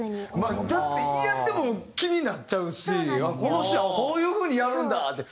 だってイヤでも気になっちゃうし「このシーンはこういう風にやるんだ」って。